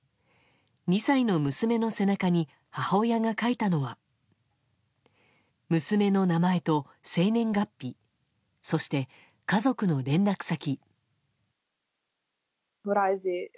２歳の娘の背中に母親が書いたのは娘の名前と生年月日そして、家族の連絡先。